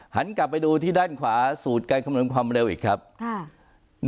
หันกลับไปดูที่ด้านขวาสูตรการคำนวณความเร็วอีกครับค่ะ